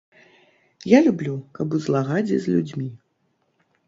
Я люблю, каб у злагадзе з людзьмі.